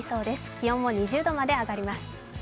気温も２０度まで上がります。